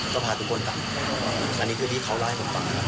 ก็พาทุกคนกลับอันนี้คือที่เขาเล่าให้ผมฟัง